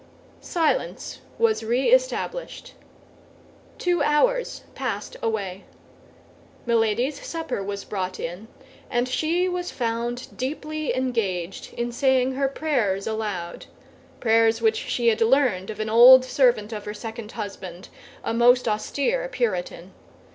Silence was re established. Two hours passed away. Milady's supper was brought in, and she was found deeply engaged in saying her prayers aloud—prayers which she had learned of an old servant of her second husband, a most austere Puritan.